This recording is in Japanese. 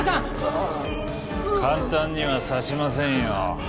ああっ簡単には刺しませんよ